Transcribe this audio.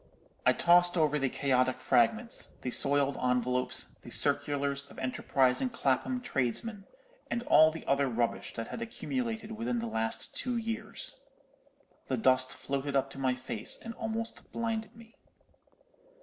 "I tossed over the chaotic fragments, the soiled envelopes, the circulars of enterprising Clapham tradesmen, and all the other rubbish that had accumulated within the last two years. The dust floated up to my face and almost blinded me.